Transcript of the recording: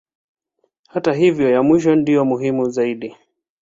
Hata hivyo ya mwisho ndiyo muhimu zaidi.